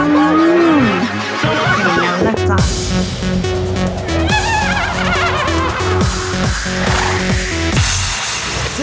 หมดแล้วล่ะจ้า